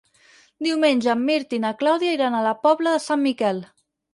Diumenge en Mirt i na Clàudia iran a la Pobla de Sant Miquel.